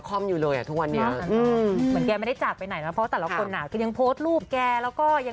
ก็เชื่อเอาเองนะไม่ได้คุยกับเขาหรอกว่า